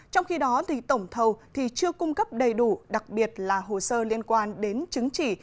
trong khi đó tổng thầu chưa cung cấp đầy đủ đặc biệt là hồ sơ liên quan đến chứng chỉ